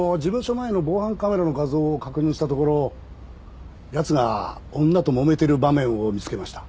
前の防犯カメラの画像を確認したところ奴が女ともめてる場面を見つけました。